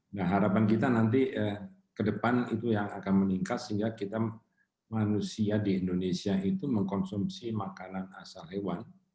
nah harapan kita nanti ke depan itu yang akan meningkat sehingga kita manusia di indonesia itu mengkonsumsi makanan asal hewan